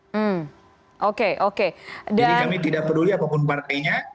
jadi kami tidak peduli apapun partainya